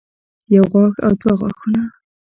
يو غاښ او دوه غاښونه